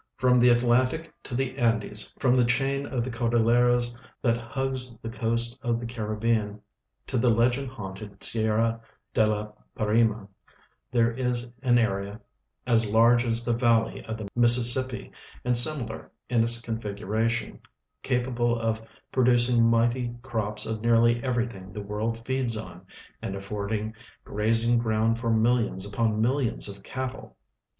From the Atlantic to the Andes, from the chain of the Cordil leras that hugs tire coast of the Caribbean to the legend haunted Sierra de la Parima, there is an area as large as the valley of the INIississippi, and similar in its configuration, capable of producing mighty crops of nearly CAmrything the Avorld feeds on, and afford ing grazing ground for millions upon millions of cattle.